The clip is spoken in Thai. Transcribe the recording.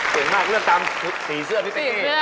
เสียงมากเลือกตามสีเสื้อนิดหนึ่ง